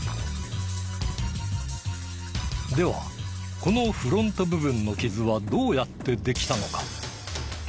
ではこのフロント部分の傷はどうやってできたのか？